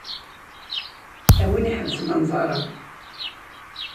A win iḥebsen anẓar-a.